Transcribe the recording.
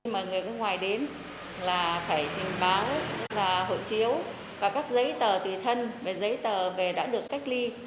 mọi người nước ngoài đến là phải trình báo hộ chiếu và các giấy tờ tùy thân giấy tờ về đã được cách ly